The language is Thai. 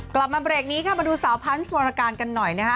กลับมาเบรกนี้ค่ะมาดูสาวพันธ์วรการกันหน่อยนะฮะ